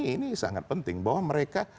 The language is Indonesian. ini sangat penting bahwa mereka